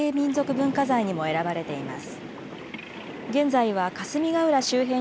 文化財にも選ばれています。